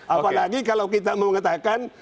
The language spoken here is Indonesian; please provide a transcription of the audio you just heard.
apalagi kalau kita mengatakan